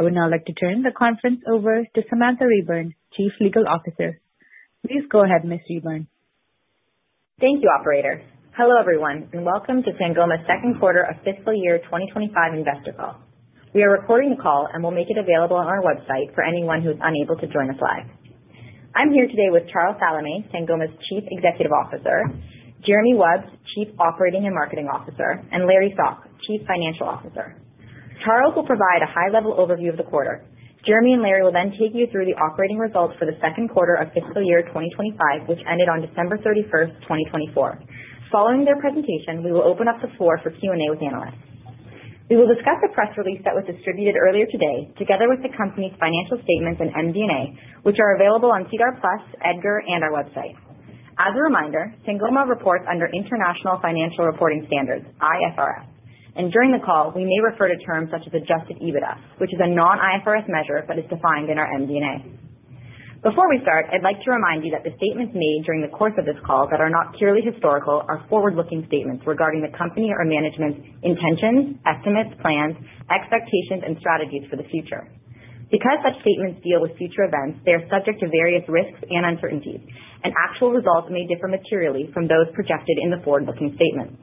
I would now like to turn the conference over to Samantha Reburn, Chief Legal Officer. Please go ahead, Ms. Reburn. Thank you, Operator. Hello, everyone, and welcome to Sangoma's second quarter of fiscal year 2025 investor call. We are recording the call and will make it available on our website for anyone who is unable to join us live. I'm here today with Charles Salameh, Sangoma's Chief Executive Officer, Jeremy Wubs, Chief Operating and Marketing Officer, and Larry Stock, Chief Financial Officer. Charles will provide a high-level overview of the quarter. Jeremy and Larry will then take you through the operating results for the second quarter of fiscal year 2025, which ended on December 31, 2024. Following their presentation, we will open up the floor for Q&A with analysts. We will discuss the press release that was distributed earlier today, together with the company's financial statements and MD&A, which are available on SEDAR+, EDGAR, and our website. As a reminder, Sangoma reports under International Financial Reporting Standards, IFRS, and during the call, we may refer to terms such as adjusted EBITDA, which is a non-IFRS measure but is defined in our MD&A. Before we start, I'd like to remind you that the statements made during the course of this call that are not purely historical are forward-looking statements regarding the company or management's intentions, estimates, plans, expectations, and strategies for the future. Because such statements deal with future events, they are subject to various risks and uncertainties, and actual results may differ materially from those projected in the forward-looking statements.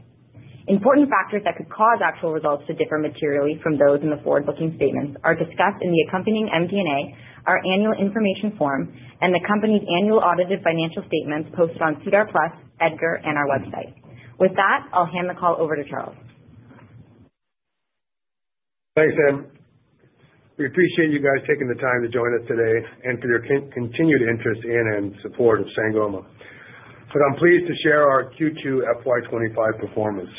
Important factors that could cause actual results to differ materially from those in the forward-looking statements are discussed in the accompanying MD&A, our annual information form, and the company's annual audited financial statements posted on SEDAR+, Edgar, and our website. With that, I'll hand the call over to Charles. Thanks, Sam. We appreciate you guys taking the time to join us today and for your continued interest in and support of Sangoma. I'm pleased to share our Q2 FY 2025 performance.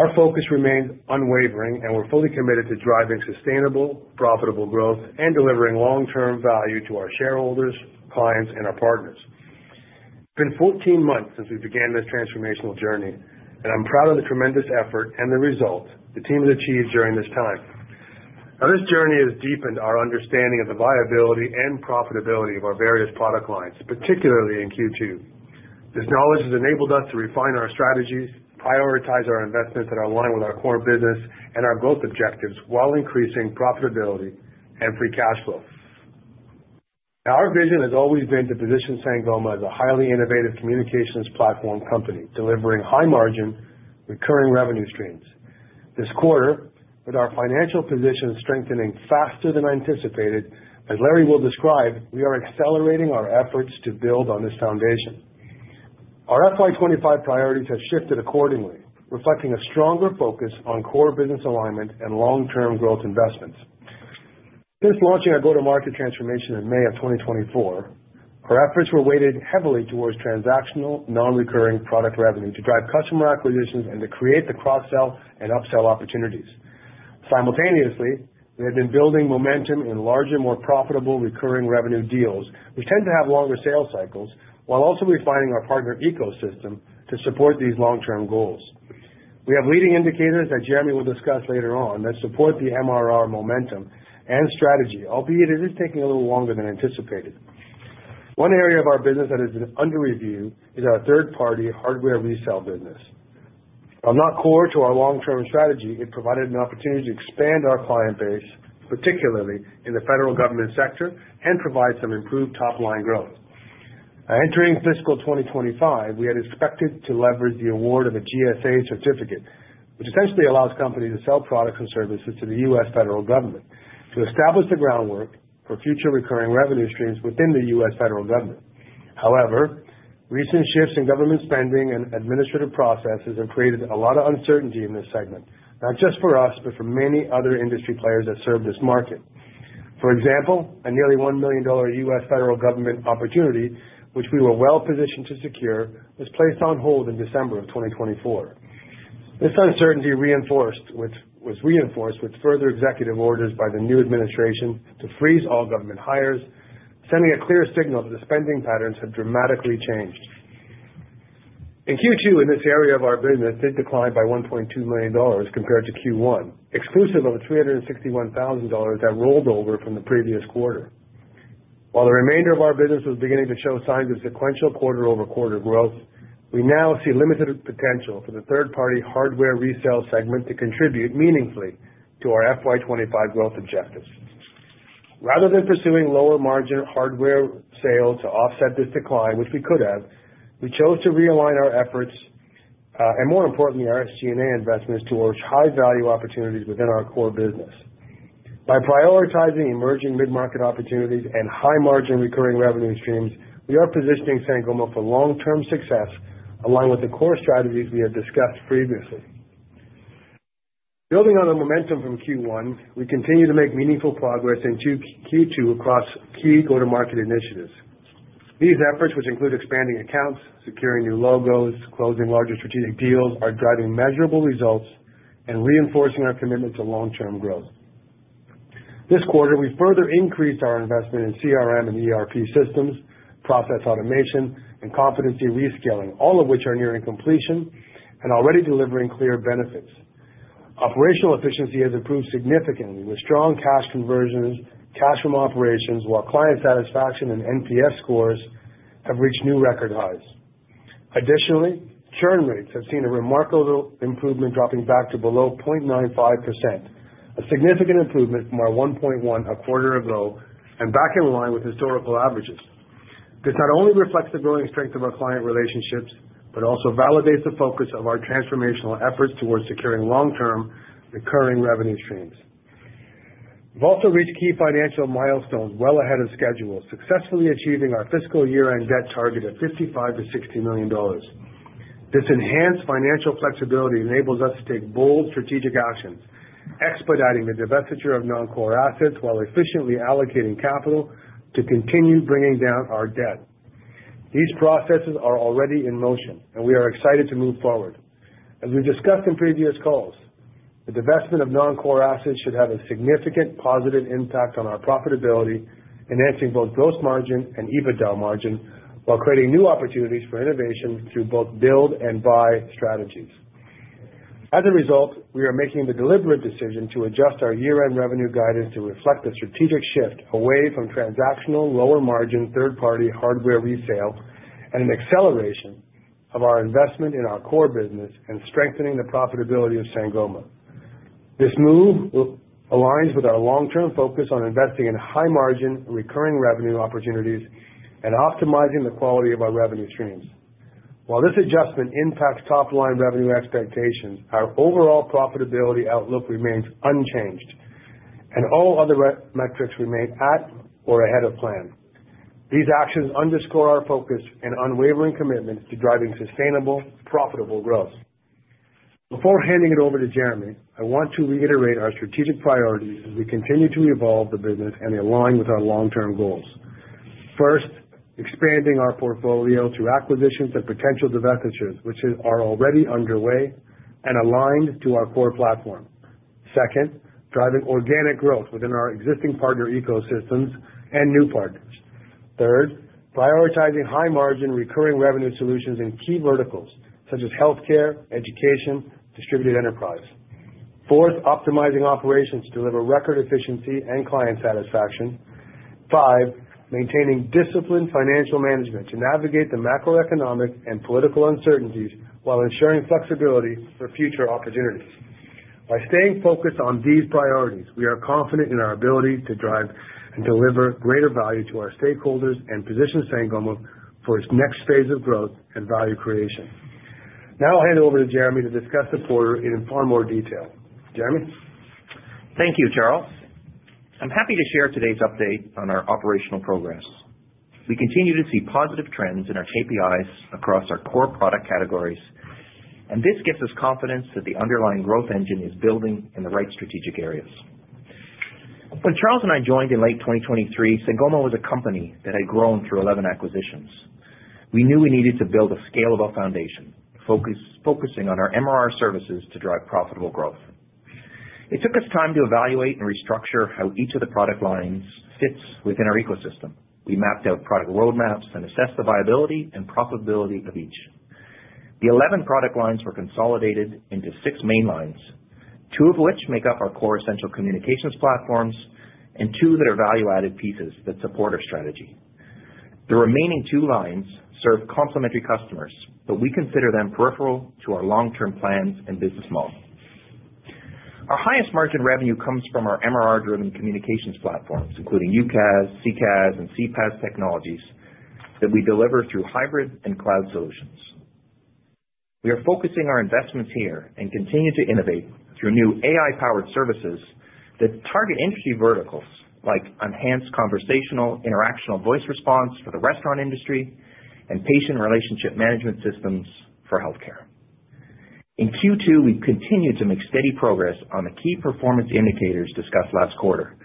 Our focus remains unwavering, and we're fully committed to driving sustainable, profitable growth and delivering long-term value to our shareholders, clients, and our partners. It's been 14 months since we began this transformational journey, and I'm proud of the tremendous effort and the results the team has achieved during this time. This journey has deepened our understanding of the viability and profitability of our various product lines, particularly in Q2. This knowledge has enabled us to refine our strategies, prioritize our investments that are aligned with our core business and our growth objectives while increasing profitability and free cash flow. Our vision has always been to position Sangoma as a highly innovative communications platform company, delivering high-margin, recurring revenue streams. This quarter, with our financial positions strengthening faster than anticipated, as Larry will describe, we are accelerating our efforts to build on this foundation. Our FY 2025 priorities have shifted accordingly, reflecting a stronger focus on core business alignment and long-term growth investments. Since launching our go-to-market transformation in May of 2024, our efforts were weighted heavily towards transactional, non-recurring product revenue to drive customer acquisitions and to create the cross-sell and up-sell opportunities. Simultaneously, we have been building momentum in larger, more profitable recurring revenue deals, which tend to have longer sales cycles, while also refining our partner ecosystem to support these long-term goals. We have leading indicators that Jeremy will discuss later on that support the MRR momentum and strategy, albeit it is taking a little longer than anticipated. One area of our business that is under review is our third-party hardware resale business. While not core to our long-term strategy, it provided an opportunity to expand our client base, particularly in the federal government sector, and provide some improved top-line growth. Entering fiscal 2025, we had expected to leverage the award of a GSA certificate, which essentially allows companies to sell products and services to the U.S. federal government to establish the groundwork for future recurring revenue streams within the U.S. federal government. However, recent shifts in government spending and administrative processes have created a lot of uncertainty in this segment, not just for us, but for many other industry players that serve this market. For example, a nearly $1 million U.S. federal government opportunity, which we were well-positioned to secure, was placed on hold in December of 2024. This uncertainty was reinforced with further executive orders by the new administration to freeze all government hires, sending a clear signal that the spending patterns have dramatically changed. In Q2, this area of our business did decline by $1.2 million compared to Q1, exclusive of the $361,000 that rolled over from the previous quarter. While the remainder of our business was beginning to show signs of sequential quarter-over-quarter growth, we now see limited potential for the third-party hardware resale segment to contribute meaningfully to our FY 2025 growth objectives. Rather than pursuing lower-margin hardware sales to offset this decline, which we could have, we chose to realign our efforts and, more importantly, our SG&A investments towards high-value opportunities within our core business. By prioritizing emerging mid-market opportunities and high-margin recurring revenue streams, we are positioning Sangoma for long-term success, along with the core strategies we have discussed previously. Building on the momentum from Q1, we continue to make meaningful progress in Q2 across key go-to-market initiatives. These efforts, which include expanding accounts, securing new logos, closing larger strategic deals, are driving measurable results and reinforcing our commitment to long-term growth. This quarter, we further increased our investment in CRM and ERP systems, process automation, and competency rescaling, all of which are nearing completion and already delivering clear benefits. Operational efficiency has improved significantly, with strong cash conversions, cash from operations, while client satisfaction and NPS scores have reached new record highs. Additionally, churn rates have seen a remarkable improvement, dropping back to below 0.95%, a significant improvement from our 1.1% a quarter ago and back in line with historical averages. This not only reflects the growing strength of our client relationships but also validates the focus of our transformational efforts towards securing long-term recurring revenue streams. We've also reached key financial milestones well ahead of schedule, successfully achieving our fiscal year-end debt target of $55-$60 million. This enhanced financial flexibility enables us to take bold strategic actions, expediting the divestiture of non-core assets while efficiently allocating capital to continue bringing down our debt. These processes are already in motion, and we are excited to move forward. As we've discussed in previous calls, the divestment of non-core assets should have a significant positive impact on our profitability, enhancing both gross margin and EBITDA margin while creating new opportunities for innovation through both build and buy strategies. As a result, we are making the deliberate decision to adjust our year-end revenue guidance to reflect a strategic shift away from transactional, lower-margin third-party hardware resale and an acceleration of our investment in our core business and strengthening the profitability of Sangoma. This move aligns with our long-term focus on investing in high-margin, recurring revenue opportunities and optimizing the quality of our revenue streams. While this adjustment impacts top-line revenue expectations, our overall profitability outlook remains unchanged, and all other metrics remain at or ahead of plan. These actions underscore our focus and unwavering commitment to driving sustainable, profitable growth. Before handing it over to Jeremy, I want to reiterate our strategic priorities as we continue to evolve the business and align with our long-term goals. First, expanding our portfolio to acquisitions and potential divestitures, which are already underway and aligned to our core platform. Second, driving organic growth within our existing partner ecosystems and new partners. Third, prioritizing high-margin, recurring revenue solutions in key verticals such as healthcare, education, and distributed enterprise. Fourth, optimizing operations to deliver record efficiency and client satisfaction. Five, maintaining disciplined financial management to navigate the macroeconomic and political uncertainties while ensuring flexibility for future opportunities. By staying focused on these priorities, we are confident in our ability to drive and deliver greater value to our stakeholders and position Sangoma for its next phase of growth and value creation. Now I'll hand it over to Jeremy to discuss the quarter in far more detail. Jeremy. Thank you, Charles. I'm happy to share today's update on our operational progress. We continue to see positive trends in our KPIs across our core product categories, and this gives us confidence that the underlying growth engine is building in the right strategic areas. When Charles and I joined in late 2023, Sangoma was a company that had grown through 11 acquisitions. We knew we needed to build a scalable foundation, focusing on our MRR services to drive profitable growth. It took us time to evaluate and restructure how each of the product lines fits within our ecosystem. We mapped out product roadmaps and assessed the viability and profitability of each. The 11 product lines were consolidated into six main lines, two of which make up our core essential communications platforms and two that are value-added pieces that support our strategy. The remaining two lines serve complementary customers, but we consider them peripheral to our long-term plans and business model. Our highest margin revenue comes from our MRR-driven communications platforms, including UCaaS, CCaaS, and CPaaS technologies that we deliver through hybrid and cloud solutions. We are focusing our investments here and continue to innovate through new AI-powered services that target industry verticals like enhanced conversational, interactional voice response for the restaurant industry and patient relationship management systems for healthcare. In Q2, we continued to make steady progress on the key performance indicators discussed last quarter,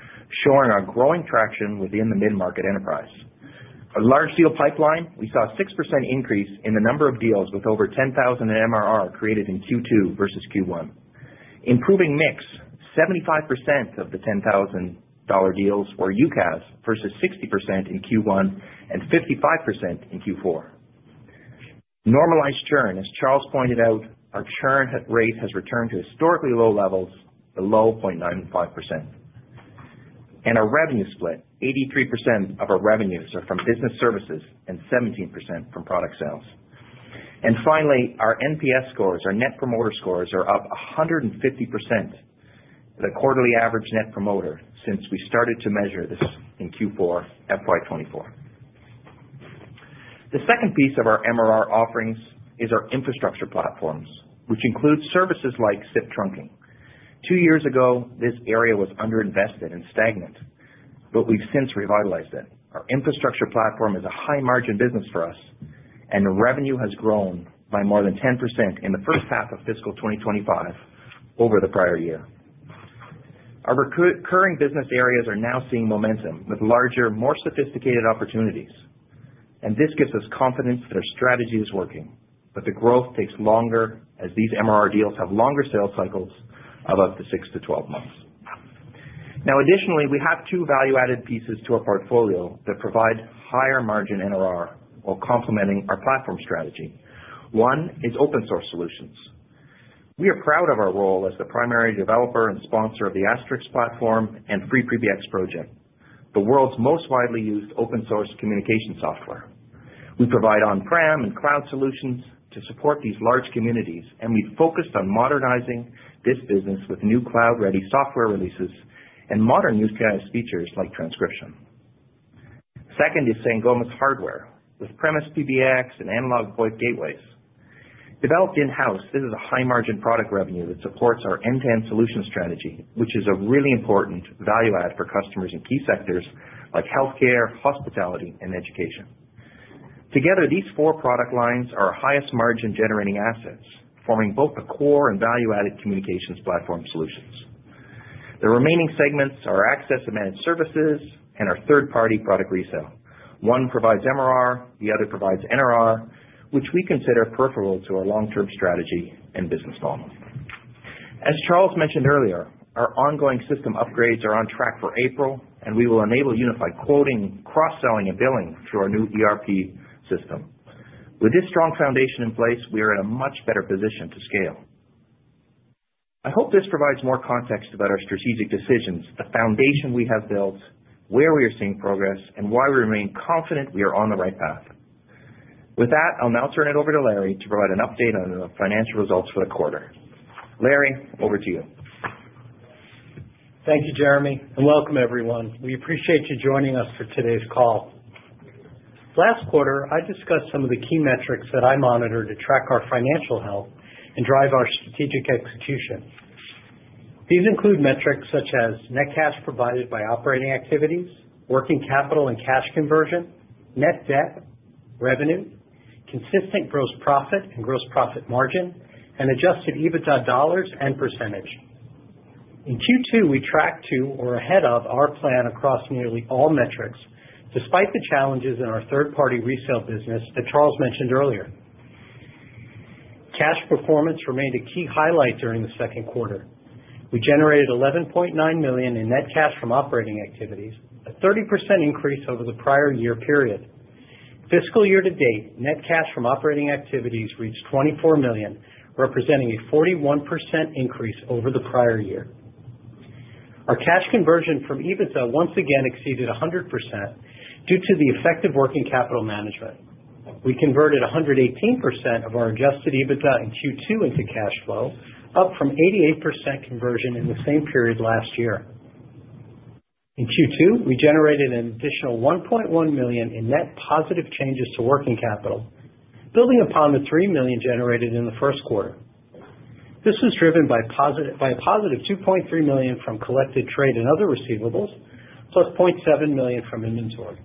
showing our growing traction within the mid-market enterprise. Our large deal pipeline, we saw a 6% increase in the number of deals with over $10,000 in MRR created in Q2 versus Q1. Improving mix: 75% of the $10,000 deals were UCaaS versus 60% in Q1 and 55% in Q4. Normalized churn, as Charles pointed out, our churn rate has returned to historically low levels, below 0.95%. Our revenue split: 83% of our revenues are from business services and 17% from product sales. Finally, our NPS scores, our net promoter scores, are up 150%, the quarterly average net promoter, since we started to measure this in Q4 FY 2024. The second piece of our MRR offerings is our infrastructure platforms, which includes services like SIP trunking. Two years ago, this area was underinvested and stagnant, but we have since revitalized it. Our infrastructure platform is a high-margin business for us, and the revenue has grown by more than 10% in the first half of fiscal 2025 over the prior year. Our recurring business areas are now seeing momentum with larger, more sophisticated opportunities, and this gives us confidence that our strategy is working, but the growth takes longer as these MRR deals have longer sales cycles of up to 6-12 months. Now, additionally, we have two value-added pieces to our portfolio that provide higher margin NRR while complementing our platform strategy. One is open-source solutions. We are proud of our role as the primary developer and sponsor of the Asterisk platform and FreePBX project, the world's most widely used open-source communication software. We provide on-prem and cloud solutions to support these large communities, and we've focused on modernizing this business with new cloud-ready software releases and modern UCaaS features like transcription. Second is Sangoma's hardware, with premise PBX and analog voice gateways. Developed in-house, this is a high-margin product revenue that supports our end-to-end solution strategy, which is a really important value-add for customers in key sectors like healthcare, hospitality, and education. Together, these four product lines are our highest margin generating assets, forming both the core and value-added communications platform solutions. The remaining segments are access and managed services and our third-party product resale. One provides MRR; the other provides NRR, which we consider peripheral to our long-term strategy and business model. As Charles mentioned earlier, our ongoing system upgrades are on track for April, and we will enable unified quoting, cross-selling, and billing through our new ERP system. With this strong foundation in place, we are in a much better position to scale. I hope this provides more context about our strategic decisions, the foundation we have built, where we are seeing progress, and why we remain confident we are on the right path. With that, I'll now turn it over to Larry to provide an update on the financial results for the quarter. Larry, over to you. Thank you, Jeremy, and welcome, everyone. We appreciate you joining us for today's call. Last quarter, I discussed some of the key metrics that I monitor to track our financial health and drive our strategic execution. These include metrics such as net cash provided by operating activities, working capital and cash conversion, net debt, revenue, consistent gross profit and gross profit margin, and adjusted EBITDA dollars and percentage. In Q2, we tracked to or ahead of our plan across nearly all metrics, despite the challenges in our third-party resale business that Charles mentioned earlier. Cash performance remained a key highlight during the second quarter. We generated $11.9 million in net cash from operating activities, a 30% increase over the prior year period. Fiscal year to date, net cash from operating activities reached $24 million, representing a 41% increase over the prior year. Our cash conversion from EBITDA once again exceeded 100% due to the effective working capital management. We converted 118% of our adjusted EBITDA in Q2 into cash flow, up from 88% conversion in the same period last year. In Q2, we generated an additional $1.1 million in net positive changes to working capital, building upon the $3 million generated in the first quarter. This was driven by a +$2.3 million from collected trade and other receivables, +$0.7 million from inventory.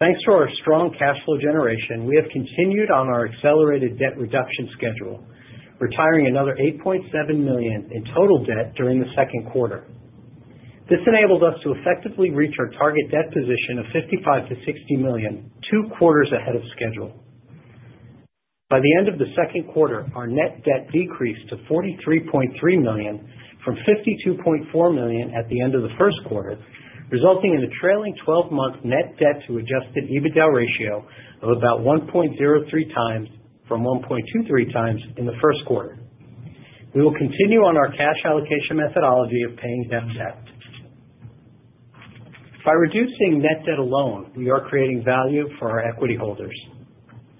Thanks to our strong cash flow generation, we have continued on our accelerated debt reduction schedule, retiring another $8.7 million in total debt during the second quarter. This enables us to effectively reach our target debt position of $55-$60 million, two quarters ahead of schedule. By the end of the second quarter, our net debt decreased to $43.3 million from $52.4 million at the end of the first quarter, resulting in a trailing 12-month net debt to adjusted EBITDA ratio of about 1.03x from 1.23x in the first quarter. We will continue on our cash allocation methodology of paying down debt. By reducing net debt alone, we are creating value for our equity holders.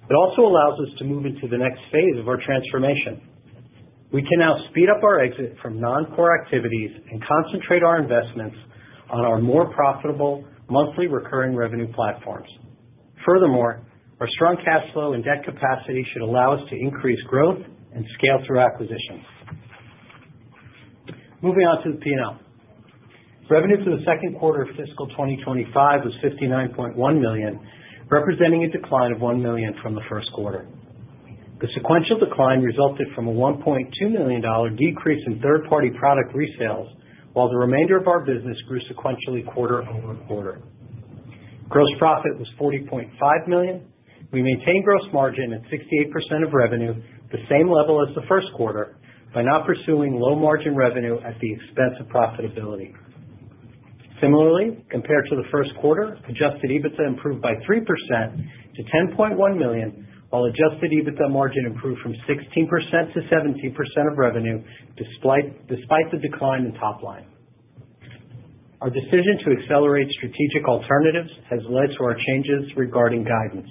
It also allows us to move into the next phase of our transformation. We can now speed up our exit from non-core activities and concentrate our investments on our more profitable monthly recurring revenue platforms. Furthermore, our strong cash flow and debt capacity should allow us to increase growth and scale through acquisitions. Moving on to the P&L. Revenue for the second quarter of fiscal 2025 was $59.1 million, representing a decline of $1 million from the first quarter. The sequential decline resulted from a $1.2 million decrease in third-party product resales, while the remainder of our business grew sequentially quarter over quarter. Gross profit was $40.5 million. We maintained gross margin at 68% of revenue, the same level as the first quarter, by not pursuing low-margin revenue at the expense of profitability. Similarly, compared to the first quarter, adjusted EBITDA improved by 3% to $10.1 million, while adjusted EBITDA margin improved from 16%-17% of revenue despite the decline in top line. Our decision to accelerate strategic alternatives has led to our changes regarding guidance.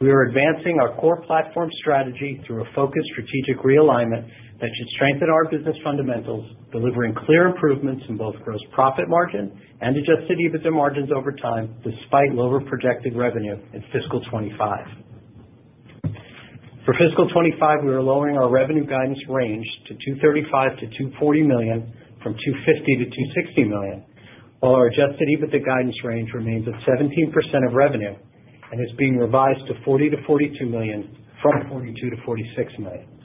We are advancing our core platform strategy through a focused strategic realignment that should strengthen our business fundamentals, delivering clear improvements in both gross profit margin and adjusted EBITDA margins over time, despite lower projected revenue in fiscal 2025. For fiscal 2025, we are lowering our revenue guidance range to $235 million-$240 million, from $250 million-$260 million, while our adjusted EBITDA guidance range remains at 17% of revenue and is being revised to $40 million-$42 million, from $42 million-$46 million.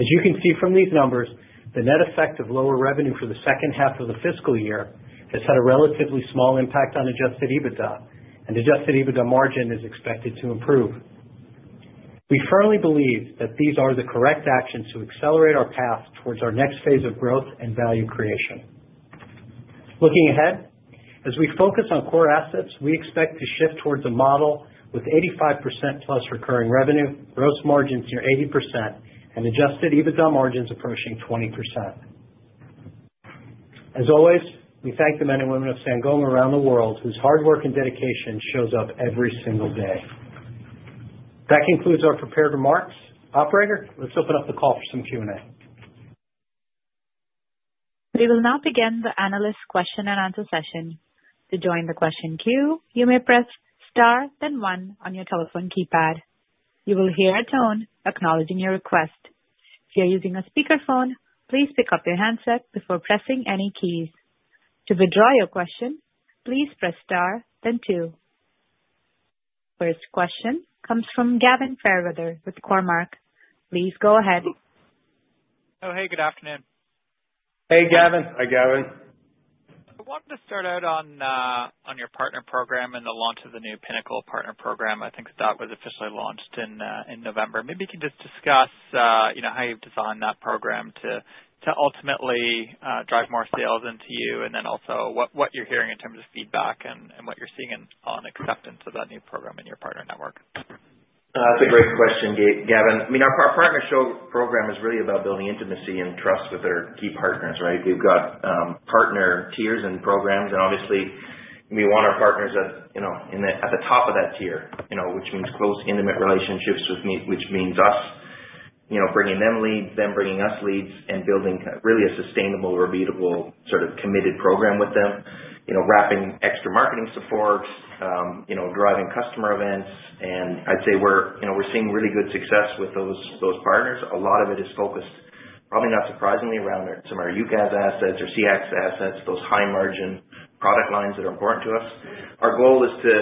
As you can see from these numbers, the net effect of lower revenue for the second half of the fiscal year has had a relatively small impact on adjusted EBITDA, and adjusted EBITDA margin is expected to improve. We firmly believe that these are the correct actions to accelerate our path towards our next phase of growth and value creation. Looking ahead, as we focus on core assets, we expect to shift towards a model with 85% plus recurring revenue, gross margins near 80%, and adjusted EBITDA margins approaching 20%. As always, we thank the men and women of Sangoma around the world, whose hard work and dedication shows up every single day. That concludes our prepared remarks. Operator, let's open up the call for some Q&A. We will now begin the analyst question and answer session. To join the question queue, you may press star, then one on your telephone keypad. You will hear a tone acknowledging your request. If you're using a speakerphone, please pick up your handset before pressing any keys. To withdraw your question, please press star, then two. First question comes from Gavin Fairweather with Cormark. Please go ahead. Oh, hey, good afternoon. Hey, Gavin. Hi, Gavin. I wanted to start out on your partner program and the launch of the new Pinnacle Partner Program. I think that was officially launched in November. Maybe you can just discuss how you've designed that program to ultimately drive more sales into you, and then also what you're hearing in terms of feedback and what you're seeing on acceptance of that new program in your partner network. That's a great question, Gavin. I mean, our partner program is really about building intimacy and trust with our key partners, right? We've got partner tiers and programs, and obviously, we want our partners at the top of that tier, which means close, intimate relationships with me, which means us bringing them leads, them bringing us leads, and building really a sustainable, repeatable, sort of committed program with them, wrapping extra marketing support, driving customer events. I'd say we're seeing really good success with those partners. A lot of it is focused, probably not surprisingly, around some of our UCaaS assets or CX assets, those high-margin product lines that are important to us. Our goal is to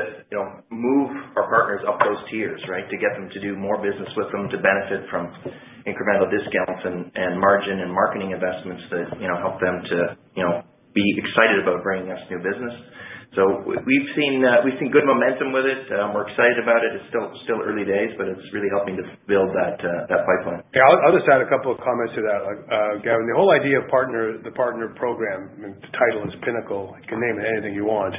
move our partners up those tiers, right, to get them to do more business with them, to benefit from incremental discounts and margin and marketing investments that help them to be excited about bringing us new business. We have seen good momentum with it. We are excited about it. It is still early days, but it is really helping to build that pipeline. Yeah, I'll just add a couple of comments to that. Gavin, the whole idea of the partner program, the title is Pinnacle. You can name it anything you want.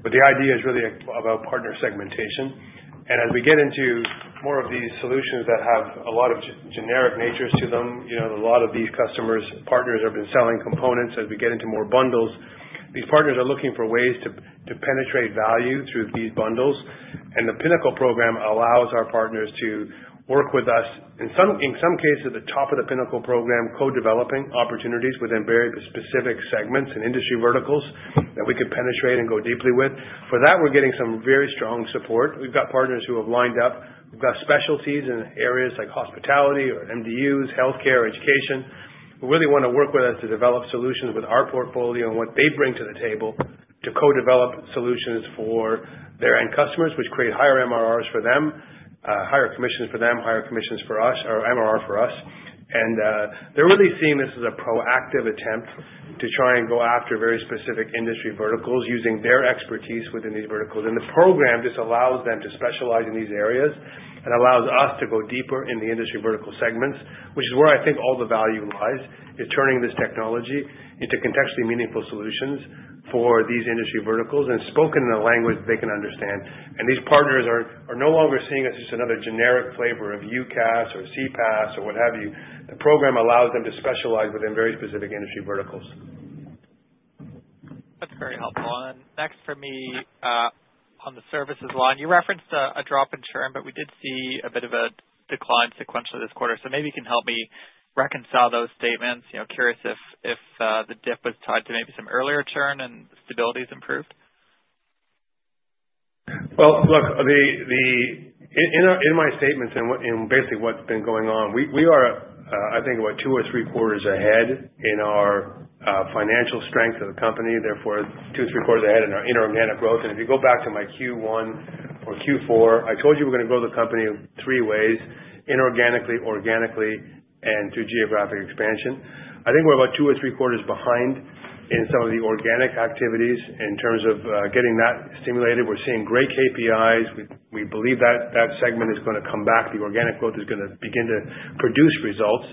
The idea is really about partner segmentation. As we get into more of these solutions that have a lot of generic natures to them, a lot of these customers' partners have been selling components as we get into more bundles. These partners are looking for ways to penetrate value through these bundles. The Pinnacle Program allows our partners to work with us, in some cases, at the top of the Pinnacle Program, co-developing opportunities within very specific segments and industry verticals that we can penetrate and go deeply with. For that, we're getting some very strong support. We've got partners who have lined up. We've got specialties in areas like hospitality or MDUs, healthcare, education. We really want to work with us to develop solutions with our portfolio and what they bring to the table to co-develop solutions for their end customers, which create higher MRRs for them, higher commissions for them, higher commissions for us, or MRR for us. They are really seeing this as a proactive attempt to try and go after very specific industry verticals using their expertise within these verticals. The program just allows them to specialize in these areas and allows us to go deeper in the industry vertical segments, which is where I think all the value lies, is turning this technology into contextually meaningful solutions for these industry verticals and spoken in a language that they can understand. These partners are no longer seeing us as just another generic flavor of UCaaS or CPaaS or what have you. The program allows them to specialize within very specific industry verticals. That's very helpful. Next for me on the services line, you referenced a drop in churn, but we did see a bit of a decline sequentially this quarter. Maybe you can help me reconcile those statements. Curious if the dip was tied to maybe some earlier churn and stability has improved. Look, in my statements and basically what's been going on, we are, I think, about two or three quarters ahead in our financial strength of the company. Therefore, two or three quarters ahead in our inorganic growth. If you go back to my Q1 or Q4, I told you we're going to grow the company three ways: inorganically, organically, and through geographic expansion. I think we're about two or three quarters behind in some of the organic activities in terms of getting that stimulated. We're seeing great KPIs. We believe that that segment is going to come back. The organic growth is going to begin to produce results.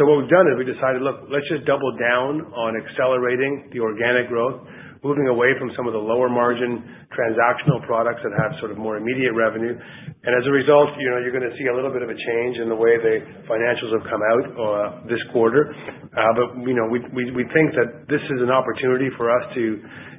What we've done is we decided, "Look, let's just double down on accelerating the organic growth, moving away from some of the lower margin transactional products that have sort of more immediate revenue." As a result, you're going to see a little bit of a change in the way the financials have come out this quarter. We think that this is an opportunity for us to,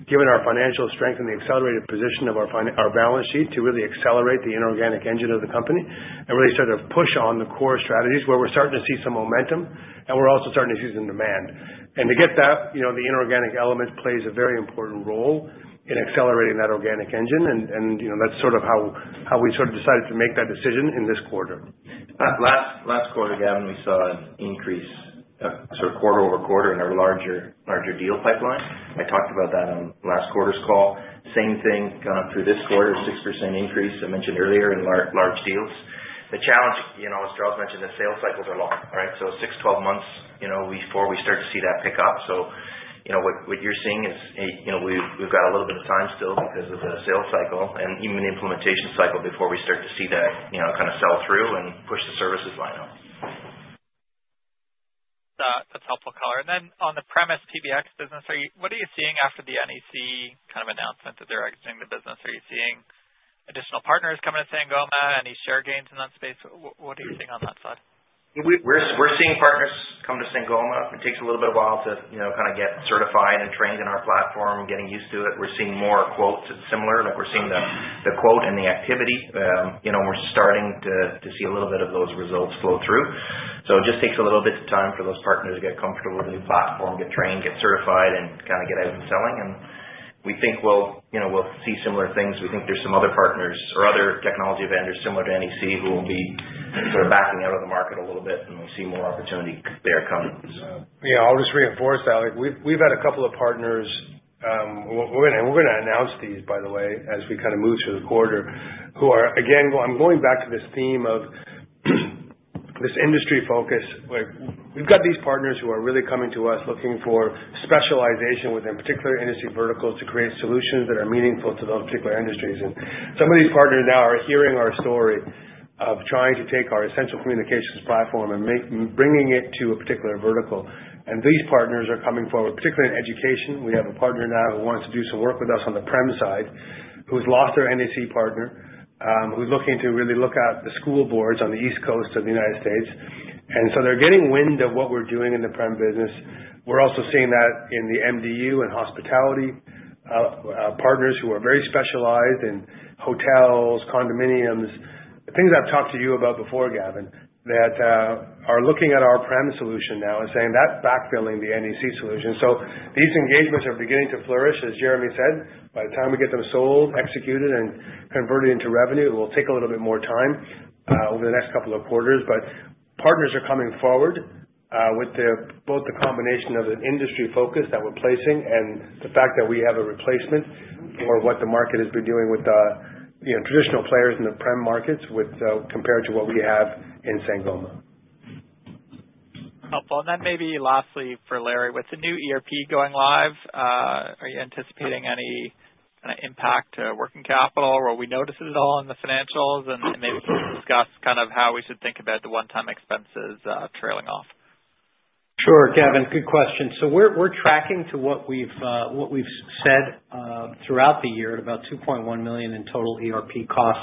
given our financial strength and the accelerated position of our balance sheet, to really accelerate the inorganic engine of the company and really start to push on the core strategies where we're starting to see some momentum, and we're also starting to see some demand. To get that, the inorganic element plays a very important role in accelerating that organic engine. That is sort of how we decided to make that decision in this quarter. Last quarter, Gavin, we saw an increase sort of quarter-over-quarter in our larger deal pipeline. I talked about that on last quarter's call. Same thing through this quarter, 6% increase I mentioned earlier in large deals. The challenge, as Charles mentioned, is sales cycles are long, right? 6, 12 months before we start to see that pick up. What you're seeing is we've got a little bit of time still because of the sales cycle and even the implementation cycle before we start to see that kind of sell through and push the services line up. That's helpful, Color. On the premise PBX business, what are you seeing after the NEC kind of announcement that they're exiting the business? Are you seeing additional partners come to Sangoma? Any share gains in that space? What are you seeing on that side? We're seeing partners come to Sangoma. It takes a little bit of while to kind of get certified and trained in our platform, getting used to it. We're seeing more quotes similar. We're seeing the quote and the activity. We're starting to see a little bit of those results flow through. It just takes a little bit of time for those partners to get comfortable with the new platform, get trained, get certified, and kind of get out and selling. We think we'll see similar things. We think there's some other partners or other technology vendors similar to NEC who will be sort of backing out of the market a little bit, and we see more opportunity there coming. Yeah, I'll just reinforce that. We've had a couple of partners, and we're going to announce these, by the way, as we kind of move through the quarter, who are, again, I'm going back to this theme of this industry focus. We've got these partners who are really coming to us looking for specialization within particular industry verticals to create solutions that are meaningful to those particular industries. Some of these partners now are hearing our story of trying to take our essential communications platform and bringing it to a particular vertical. These partners are coming forward, particularly in education. We have a partner now who wants to do some work with us on the prem side, who has lost their NEC partner, who's looking to really look at the school boards on the East Coast of the United States. They are getting wind of what we are doing in the prem business. We are also seeing that in the MDU and hospitality partners who are very specialized in hotels, condominiums, things I have talked to you about before, Gavin, that are looking at our prem solution now and saying, "That is backfilling the NEC solution." These engagements are beginning to flourish, as Jeremy said. By the time we get them sold, executed, and converted into revenue, it will take a little bit more time over the next couple of quarters. Partners are coming forward with both the combination of the industry focus that we are placing and the fact that we have a replacement for what the market has been doing with traditional players in the prem markets compared to what we have in Sangoma. Helpful. Maybe lastly for Larry, with the new ERP going live, are you anticipating any kind of impact to working capital? Will we notice it at all in the financials? Maybe discuss kind of how we should think about the one-time expenses trailing off. Sure, Gavin. Good question. We're tracking to what we've said throughout the year at about $2.1 million in total ERP cost.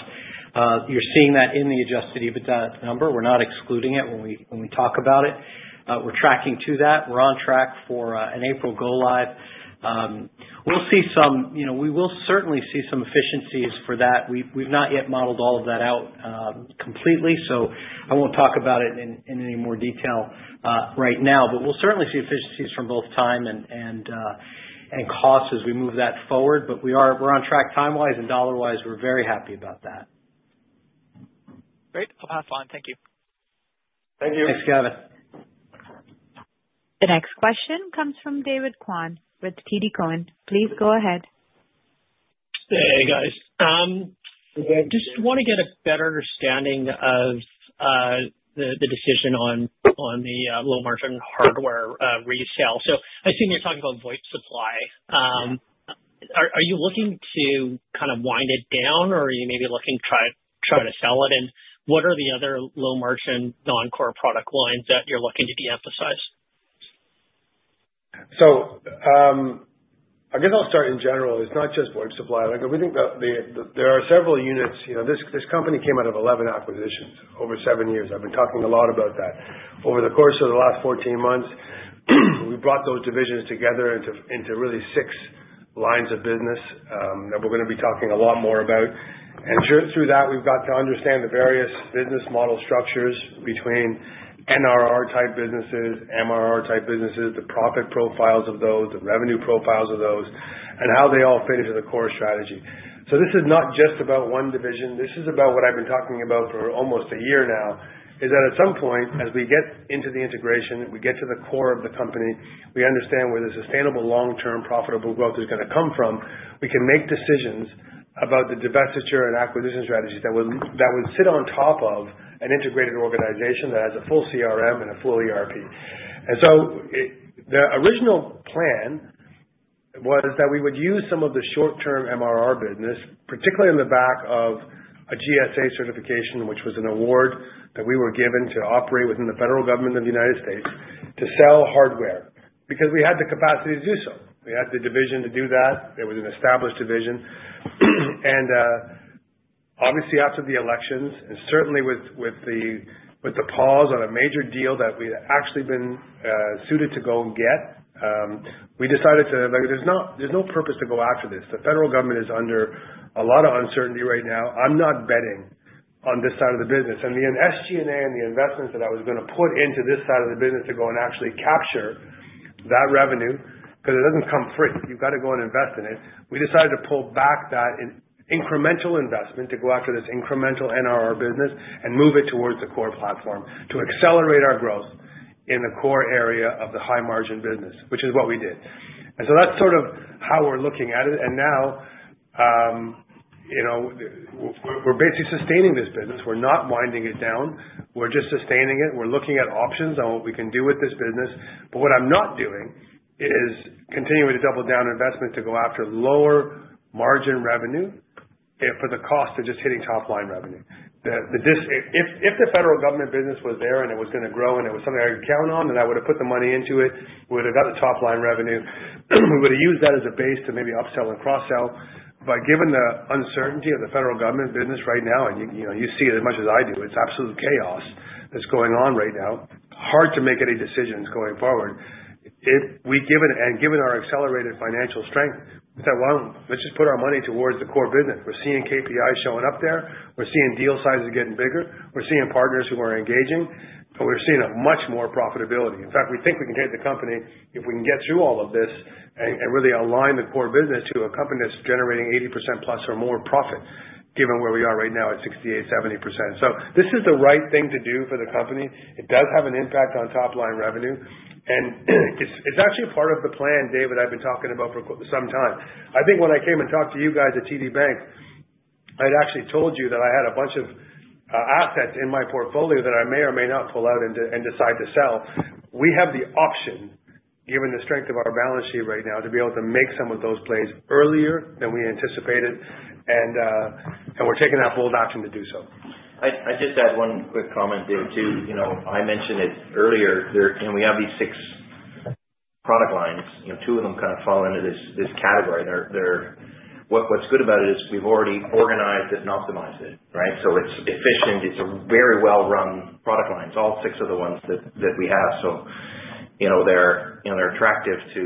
You're seeing that in the adjusted EBITDA number. We're not excluding it when we talk about it. We're tracking to that. We're on track for an April go-live. We will certainly see some efficiencies for that. We've not yet modeled all of that out completely, so I won't talk about it in any more detail right now. We will certainly see efficiencies from both time and cost as we move that forward. We're on track time-wise and dollar-wise. We're very happy about that. Great. I'll pass on. Thank you. Thank you. Thanks, Gavin. The next question comes from David Kwan with TD Cowen. Please go ahead. Hey, guys. Just want to get a better understanding of the decision on the low-margin hardware resale. I assume you're talking about VoIP Supply. Are you looking to kind of wind it down, or are you maybe looking to try to sell it? What are the other low-margin non-core product lines that you're looking to de-emphasize? I guess I'll start in general. It's not just VoIP Supply. I think there are several units. This company came out of 11 acquisitions over seven years. I've been talking a lot about that. Over the course of the last 14 months, we brought those divisions together into really six lines of business that we're going to be talking a lot more about. Through that, we've got to understand the various business model structures between NRR-type businesses, MRR-type businesses, the profit profiles of those, the revenue profiles of those, and how they all fit into the core strategy. This is not just about one division. This is about what I've been talking about for almost a year now, is that at some point, as we get into the integration, we get to the core of the company, we understand where the sustainable, long-term, profitable growth is going to come from. We can make decisions about the divestiture and acquisition strategies that would sit on top of an integrated organization that has a full CRM and a full ERP. The original plan was that we would use some of the short-term MRR business, particularly in the back of a GSA certification, which was an award that we were given to operate within the federal government of the United States to sell hardware because we had the capacity to do so. We had the division to do that. It was an established division. Obviously, after the elections, and certainly with the pause on a major deal that we had actually been suited to go and get, we decided, "There's no purpose to go after this. The federal government is under a lot of uncertainty right now. I'm not betting on this side of the business." The SG&A and the investments that I was going to put into this side of the business to go and actually capture that revenue because it doesn't come free. You've got to go and invest in it. We decided to pull back that incremental investment to go after this incremental NRR business and move it towards the core platform to accelerate our growth in the core area of the high-margin business, which is what we did. That is sort of how we're looking at it. Now we're basically sustaining this business. We're not winding it down. We're just sustaining it. We're looking at options on what we can do with this business. What I'm not doing is continuing to double down investment to go after lower margin revenue for the cost of just hitting top-line revenue. If the federal government business was there and it was going to grow and it was something I could count on and I would have put the money into it, we would have gotten the top-line revenue. We would have used that as a base to maybe upsell and cross-sell. Given the uncertainty of the federal government business right now, and you see it as much as I do, it's absolute chaos that's going on right now. Hard to make any decisions going forward. Given our accelerated financial strength, we said, "Well, let's just put our money towards the core business." We're seeing KPIs showing up there. We're seeing deal sizes getting bigger. We're seeing partners who are engaging. We're seeing much more profitability. In fact, we think we can take the company if we can get through all of this and really align the core business to a company that's generating 80% plus or more profit, given where we are right now at 68-70%. This is the right thing to do for the company. It does have an impact on top-line revenue. It's actually part of the plan, David, I've been talking about for some time. I think when I came and talked to you guys at TD [Bank], I had actually told you that I had a bunch of assets in my portfolio that I may or may not pull out and decide to sell. We have the option, given the strength of our balance sheet right now, to be able to make some of those plays earlier than we anticipated. We are taking that bold action to do so. I just add one quick comment, David, too. I mentioned it earlier. We have these six product lines. Two of them kind of fall into this category. What's good about it is we've already organized it and optimized it, right? It is efficient. It is a very well-run product line. It is all six of the ones that we have. They are attractive to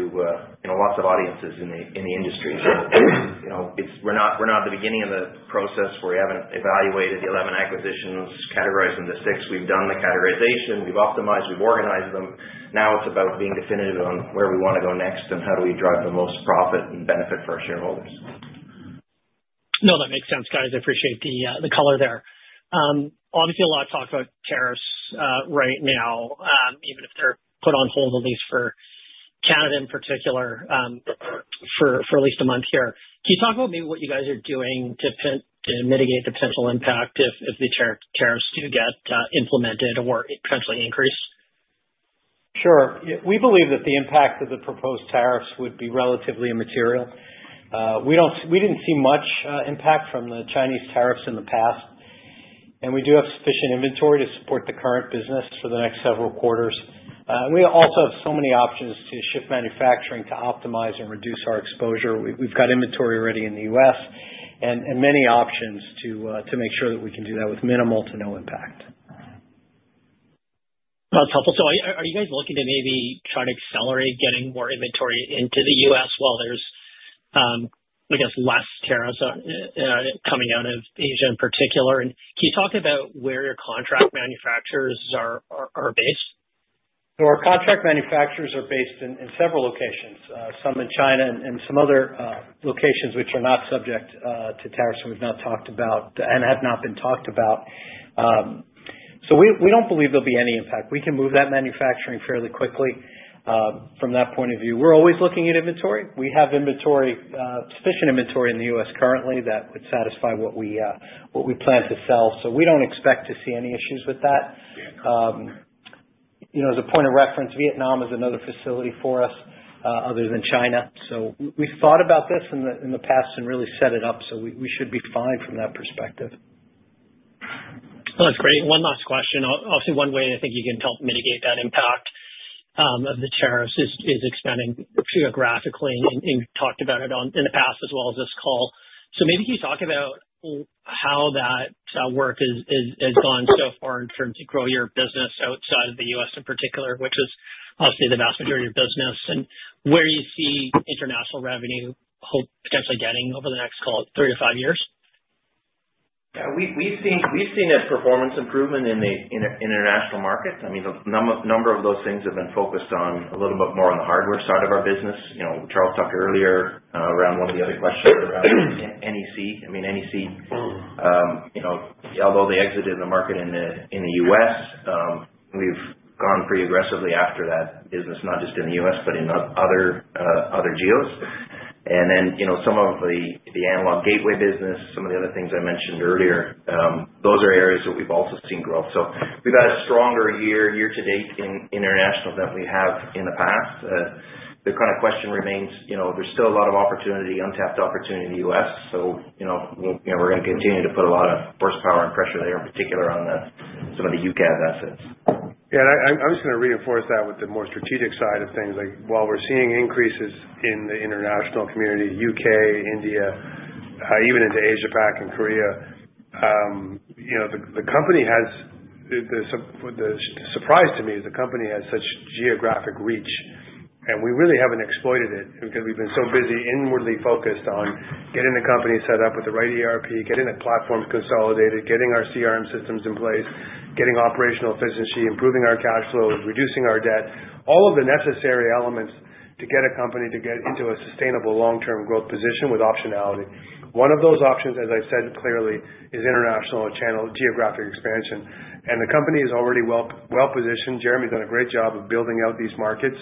lots of audiences in the industry. We are not at the beginning of the process. We have not evaluated the 11 acquisitions, categorized them into six. We have done the categorization. We have optimized. We have organized them. Now it is about being definitive on where we want to go next and how do we drive the most profit and benefit for our shareholders. No, that makes sense, guys. I appreciate the color there. Obviously, a lot of talk about tariffs right now, even if they're put on hold, at least for Canada in particular, for at least a month here. Can you talk about maybe what you guys are doing to mitigate the potential impact if the tariffs do get implemented or potentially increase? Sure. We believe that the impact of the proposed tariffs would be relatively immaterial. We did not see much impact from the Chinese tariffs in the past. We do have sufficient inventory to support the current business for the next several quarters. We also have so many options to shift manufacturing to optimize and reduce our exposure. We have inventory already in the U.S. and many options to make sure that we can do that with minimal to no impact. That's helpful. Are you guys looking to maybe try to accelerate getting more inventory into the U.S. while there's, I guess, less tariffs coming out of Asia in particular? Can you talk about where your contract manufacturers are based? Our contract manufacturers are based in several locations, some in China and some other locations which are not subject to tariffs that we've not talked about and have not been talked about. We don't believe there'll be any impact. We can move that manufacturing fairly quickly from that point of view. We're always looking at inventory. We have sufficient inventory in the U.S. currently that would satisfy what we plan to sell. We don't expect to see any issues with that. As a point of reference, Vietnam is another facility for us other than China. We've thought about this in the past and really set it up. We should be fine from that perspective. That's great. One last question. Obviously, one way I think you can help mitigate that impact of the tariffs is expanding geographically. You have talked about it in the past as well as this call. Maybe can you talk about how that work has gone so far in terms of growing your business outside of the U.S. in particular, which is obviously the vast majority of business, and where you see international revenue potentially getting over the next three to five years? Yeah. We've seen a performance improvement in the international markets. I mean, a number of those things have been focused on a little bit more on the hardware side of our business. Charles talked earlier around one of the other questions around NEC. I mean, NEC, although they exited the market in the U.S., we've gone pretty aggressively after that business, not just in the U.S., but in other geos. And then some of the analog gateway business, some of the other things I mentioned earlier, those are areas that we've also seen growth. So we've had a stronger year to date in international than we have in the past. The kind of question remains, there's still a lot of untapped opportunity in the U.S. So we're going to continue to put a lot of force power and pressure there, in particular on some of the U.K. assets. Yeah. I'm just going to reinforce that with the more strategic side of things. While we're seeing increases in the international community, U.K., India, even into Asia-Pac and Korea, the company has—the surprise to me is the company has such geographic reach. We really haven't exploited it because we've been so busy inwardly focused on getting the company set up with the right ERP, getting the platforms consolidated, getting our CRM systems in place, getting operational efficiency, improving our cash flows, reducing our debt, all of the necessary elements to get a company to get into a sustainable long-term growth position with optionality. One of those options, as I said clearly, is international channel geographic expansion. The company is already well positioned. Jeremy's done a great job of building out these markets.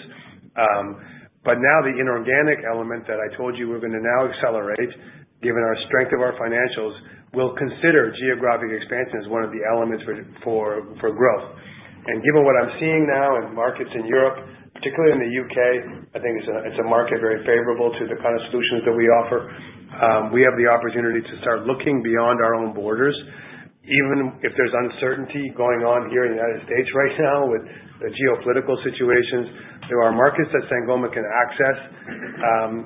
Now the inorganic element that I told you we're going to now accelerate, given our strength of our financials, we'll consider geographic expansion as one of the elements for growth. Given what I'm seeing now in markets in Europe, particularly in the U.K., I think it's a market very favorable to the kind of solutions that we offer. We have the opportunity to start looking beyond our own borders. Even if there's uncertainty going on here in the U.S. right now with the geopolitical situations, there are markets that Sangoma can access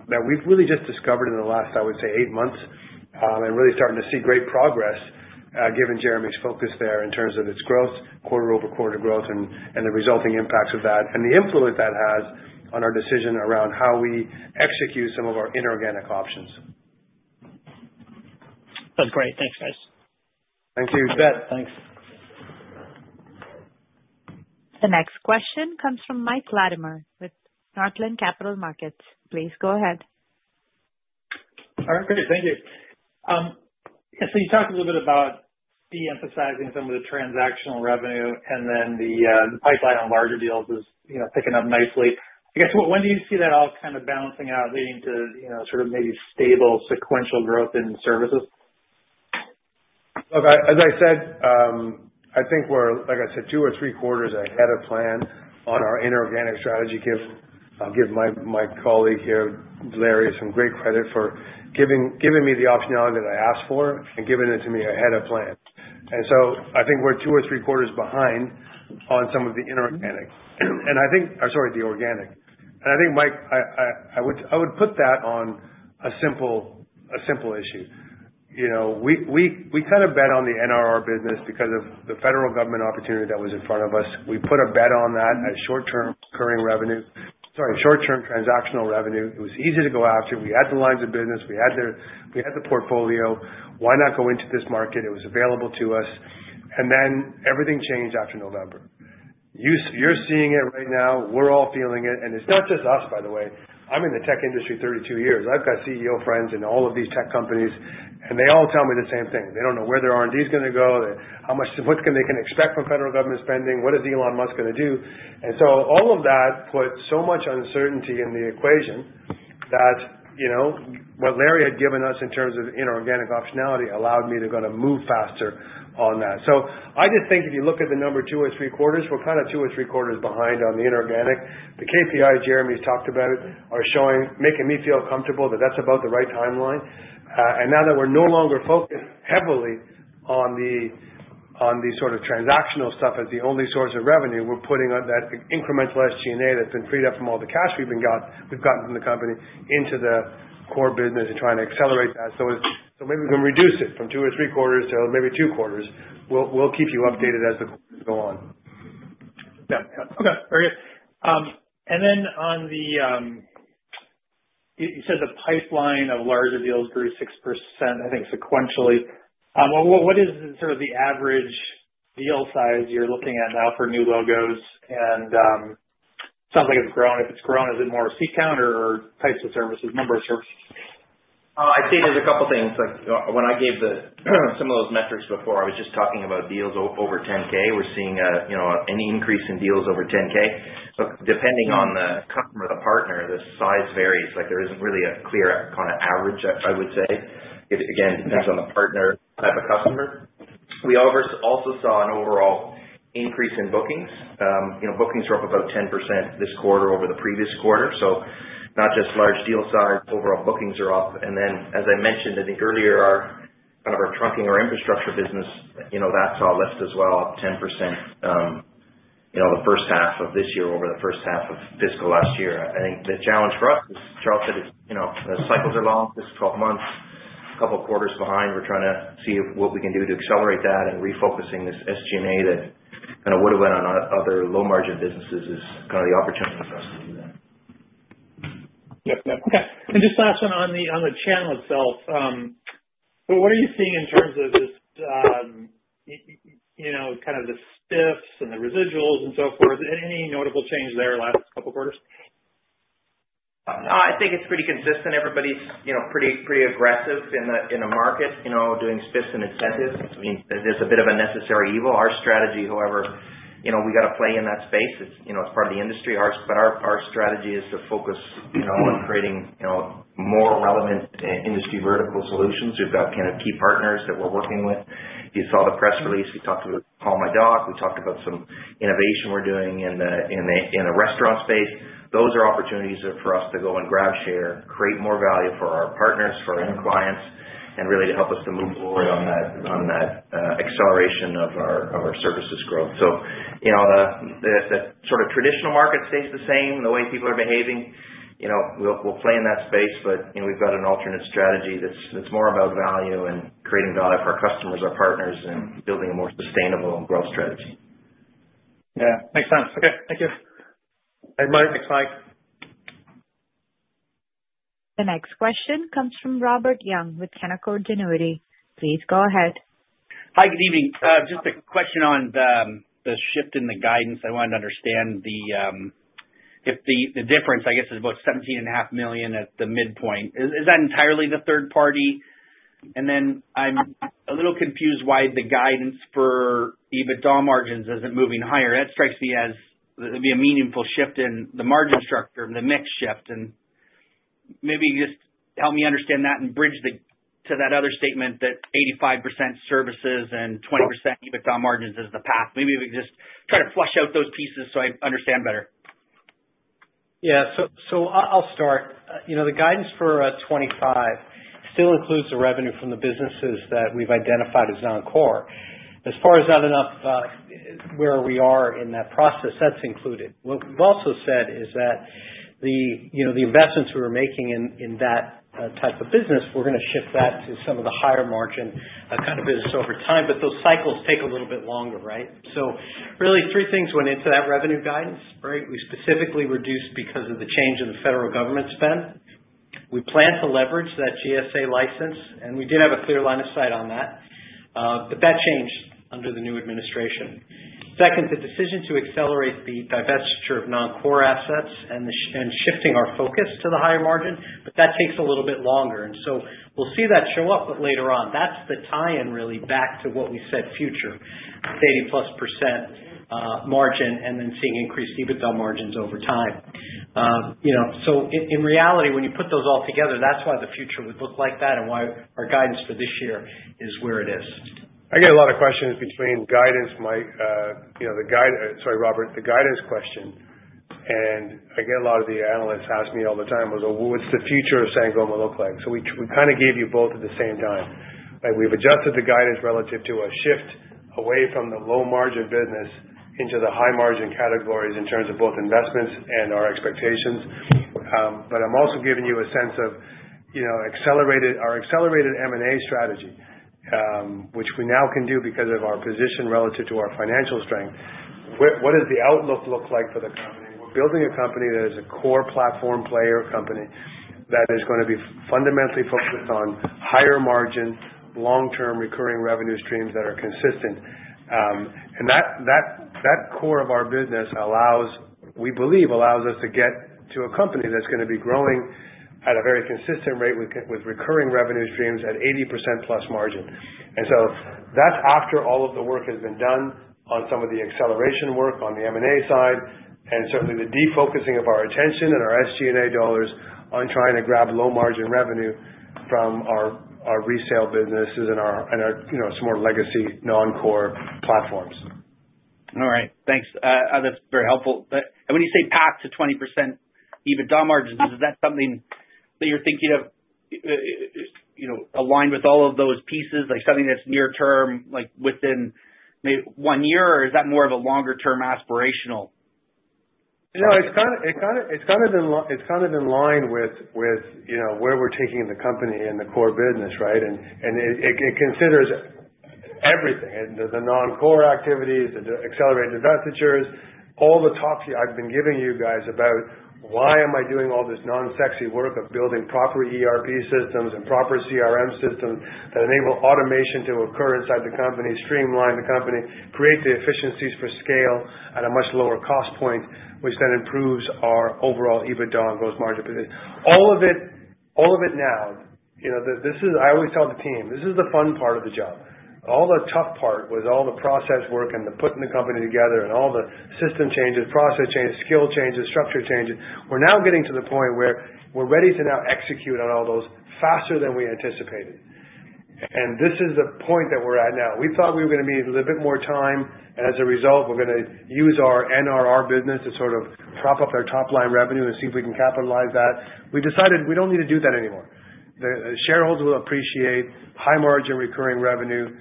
that we've really just discovered in the last, I would say, eight months and really starting to see great progress, given Jeremy's focus there in terms of its growth, quarter-over-quarter growth, and the resulting impacts of that, and the influence that has on our decision around how we execute some of our inorganic options. That's great. Thanks, guys. Thank you. Thanks. The next question comes from Mike Latimore with Northland Capital Markets. Please go ahead. All right. Great. Thank you. You talked a little bit about de-emphasizing some of the transactional revenue, and then the pipeline on larger deals is picking up nicely. I guess, when do you see that all kind of balancing out, leading to sort of maybe stable sequential growth in services? As I said, I think we're, like I said, two or three quarters ahead of plan on our inorganic strategy. I'll give my colleague here, Larry, some great credit for giving me the optionality that I asked for and giving it to me ahead of plan. I think we're two or three quarters behind on some of the inorganic. I think—sorry, the organic. I think, Mike, I would put that on a simple issue. We kind of bet on the NRR business because of the federal government opportunity that was in front of us. We put a bet on that as short-term recurring revenue—sorry, short-term transactional revenue. It was easy to go after. We had the lines of business. We had the portfolio. Why not go into this market? It was available to us. Everything changed after November. You're seeing it right now. We're all feeling it. It's not just us, by the way. I'm in the tech industry 32 years. I've got CEO friends in all of these tech companies, and they all tell me the same thing. They don't know where their R&D is going to go, what they can expect from federal government spending, what is Elon Musk going to do. All of that put so much uncertainty in the equation that what Larry had given us in terms of inorganic optionality allowed me to kind of move faster on that. I just think if you look at the number two or three quarters, we're kind of two or three quarters behind on the inorganic. The KPIs Jeremy's talked about are making me feel comfortable that that's about the right timeline. Now that we're no longer focused heavily on the sort of transactional stuff as the only source of revenue, we're putting that incremental SG&A that's been freed up from all the cash we've gotten from the company into the core business and trying to accelerate that. Maybe we can reduce it from two or three quarters to maybe two quarters. We'll keep you updated as the quarters go on. Yeah. Okay. Very good. On the—you said the pipeline of larger deals grew 6% sequentially. What is sort of the average deal size you're looking at now for new logos? It sounds like it's grown. If it's grown, is it more seat count or types of services, number of services? I'd say there's a couple of things. When I gave some of those metrics before, I was just talking about deals over $10,000. We're seeing an increase in deals over $10,000. Depending on the customer or the partner, the size varies. There isn't really a clear kind of average, I would say. Again, it depends on the partner, type of customer. We also saw an overall increase in bookings. Bookings were up about 10% this quarter over the previous quarter. Not just large deal size, overall bookings are up. As I mentioned, I think earlier, kind of our trunking, our infrastructure business, that saw a lift as well, up 10% the first half of this year over the first half of fiscal last year. I think the challenge for us is, as Charles said, the cycles are long. This is 12 months. A couple of quarters behind. We're trying to see what we can do to accelerate that and refocusing this SG&A that kind of would have went on other low-margin businesses is kind of the opportunity for us to do that. Yep. Yep. Okay. Just last one on the channel itself. What are you seeing in terms of kind of the SPIFs and the residuals and so forth? Any notable change there last couple of quarters? I think it's pretty consistent. Everybody's pretty aggressive in the market doing SPIFs and incentives. I mean, there's a bit of a necessary evil. Our strategy, however, we got to play in that space. It's part of the industry. Our strategy is to focus on creating more relevant industry vertical solutions. We've got kind of key partners that we're working with. You saw the press release. We talked about Paul, my dog. We talked about some innovation we're doing in the restaurant space. Those are opportunities for us to go and grab share, create more value for our partners, for our end clients, and really to help us to move forward on that acceleration of our services growth. The sort of traditional market stays the same and the way people are behaving. We'll play in that space, but we've got an alternate strategy that's more about value and creating value for our customers, our partners, and building a more sustainable growth strategy. Yeah. Makes sense. Okay. Thank you. Hey, Mike. Thanks, Mike. The next question comes from Robert Young with Canaccord Genuity. Please go ahead. Hi. Good evening. Just a question on the shift in the guidance. I wanted to understand if the difference, I guess, is about $17.5 million at the midpoint. Is that entirely the third party? I am a little confused why the guidance for EBITDA margins is not moving higher. That strikes me as it would be a meaningful shift in the margin structure and the mix shift. Maybe just help me understand that and bridge to that other statement that 85% services and 20% EBITDA margins is the path. Maybe if we could just try to flush out those pieces so I understand better. Yeah. I'll start. The guidance for 2025 still includes the revenue from the businesses that we've identified as non-core. As far as where we are in that process, that's included. What we've also said is that the investments we were making in that type of business, we're going to shift that to some of the higher margin kind of business over time. Those cycles take a little bit longer, right? Really, three things went into that revenue guidance, right? We specifically reduced because of the change in the federal government spend. We plan to leverage that GSA license, and we did have a clear line of sight on that. That changed under the new administration. Second, the decision to accelerate the divestiture of non-core assets and shifting our focus to the higher margin, but that takes a little bit longer. We will see that show up later on. That is the tie-in really back to what we said future, 80%+ margin, and then seeing increased EBITDA margins over time. In reality, when you put those all together, that is why the future would look like that and why our guidance for this year is where it is. I get a lot of questions between guidance, Mike—sorry, Robert—the guidance question. I get a lot of the analysts ask me all the time, "What's the future of Sangoma look like?" We kind of gave you both at the same time. We've adjusted the guidance relative to a shift away from the low-margin business into the high-margin categories in terms of both investments and our expectations. I'm also giving you a sense of our accelerated M&A strategy, which we now can do because of our position relative to our financial strength. What does the outlook look like for the company? We're building a company that is a core platform player company that is going to be fundamentally focused on higher margins, long-term recurring revenue streams that are consistent. That core of our business, we believe, allows us to get to a company that's going to be growing at a very consistent rate with recurring revenue streams at 80%+ margin. That is after all of the work has been done on some of the acceleration work on the M&A side and certainly the defocusing of our attention and our SG&A dollars on trying to grab low-margin revenue from our resale businesses and our smart legacy non-core platforms. All right. Thanks. That's very helpful. When you say path to 20% EBITDA margins, is that something that you're thinking of aligned with all of those pieces, like something that's near-term within one year, or is that more of a longer-term aspirational? No, it's kind of in line with where we're taking the company and the core business, right? It considers everything, the non-core activities, the accelerated divestitures, all the talks I've been giving you guys about why am I doing all this non-sexy work of building proper ERP systems and proper CRM systems that enable automation to occur inside the company, streamline the company, create the efficiencies for scale at a much lower cost point, which then improves our overall EBITDA and gross margin position. All of it now, I always tell the team, this is the fun part of the job. All the tough part was all the process work and the putting the company together and all the system changes, process changes, skill changes, structure changes. We're now getting to the point where we're ready to now execute on all those faster than we anticipated. This is the point that we're at now. We thought we were going to need a little bit more time. As a result, we're going to use our NRR business to sort of prop up our top-line revenue and see if we can capitalize that. We decided we don't need to do that anymore. The shareholders will appreciate high-margin recurring revenue.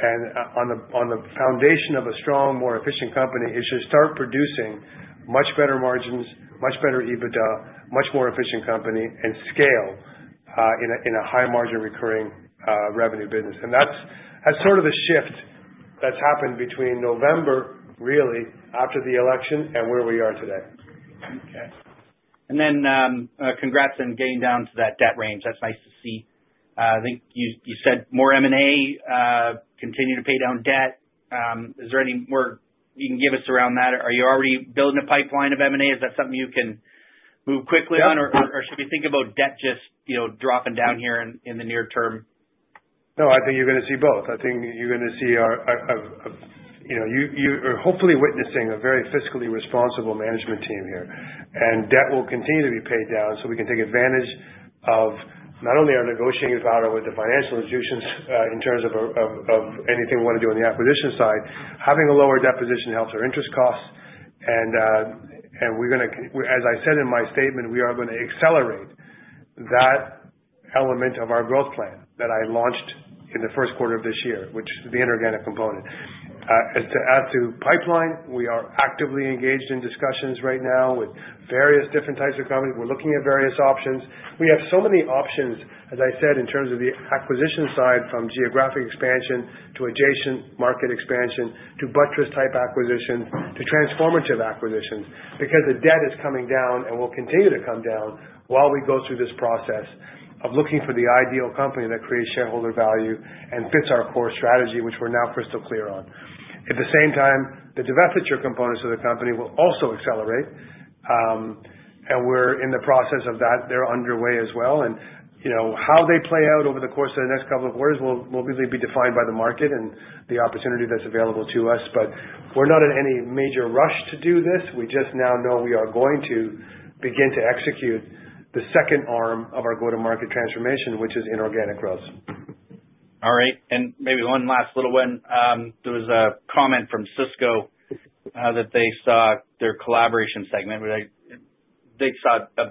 On the foundation of a strong, more efficient company, it should start producing much better margins, much better EBITDA, much more efficient company, and scale in a high-margin recurring revenue business. That is sort of the shift that's happened between November, really, after the election and where we are today. Okay. Congrats on getting down to that debt range. That's nice to see. I think you said more M&A, continue to pay down debt. Is there any more you can give us around that? Are you already building a pipeline of M&A? Is that something you can move quickly on, or should we think about debt just dropping down here in the near term? No, I think you're going to see both. I think you're going to see you're hopefully witnessing a very fiscally responsible management team here. Debt will continue to be paid down so we can take advantage of not only our negotiating power with the financial institutions in terms of anything we want to do on the acquisition side. Having a lower deposition helps our interest costs. We are going to, as I said in my statement, accelerate that element of our growth plan that I launched in the first quarter of this year, which is the inorganic component. As to pipeline, we are actively engaged in discussions right now with various different types of companies. We're looking at various options. We have so many options, as I said, in terms of the acquisition side from geographic expansion to adjacent market expansion to buttress-type acquisitions to transformative acquisitions because the debt is coming down and will continue to come down while we go through this process of looking for the ideal company that creates shareholder value and fits our core strategy, which we're now crystal clear on. At the same time, the divestiture components of the company will also accelerate. We are in the process of that. They are underway as well. How they play out over the course of the next couple of quarters will really be defined by the market and the opportunity that's available to us. We are not in any major rush to do this. We just now know we are going to begin to execute the second arm of our go-to-market transformation, which is inorganic growth. All right. Maybe one last little one. There was a comment from Cisco that they saw their collaboration segment. They saw a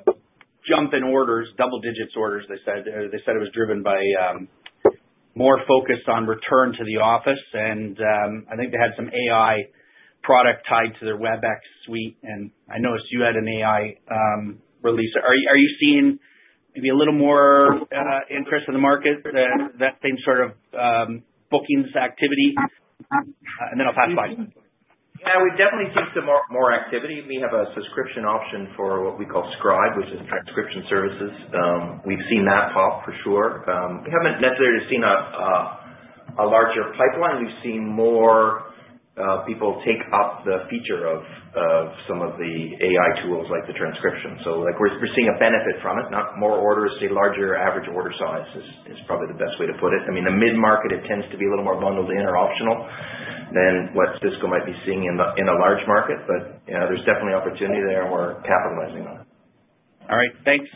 jump in orders, double-digit orders, they said. They said it was driven by more focus on return to the office. I think they had some AI product tied to their Webex suite. I noticed you had an AI release. Are you seeing maybe a little more interest in the market, that same sort of bookings activity? Then I'll pass by. Yeah. We definitely see some more activity. We have a subscription option for what we call Scribe, which is transcription services. We've seen that pop for sure. We haven't necessarily seen a larger pipeline. We've seen more people take up the feature of some of the AI tools like the transcription. So we're seeing a benefit from it. More orders, say, larger average order size is probably the best way to put it. I mean, the mid-market, it tends to be a little more bundled in or optional than what Cisco might be seeing in a large market. But there's definitely opportunity there, and we're capitalizing on it. All right. Thanks.